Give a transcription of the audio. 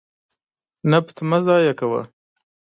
نفت مه ضایع کوه.